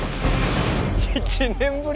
１年ぶり？